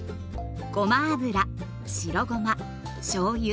ごま油白ごましょうゆ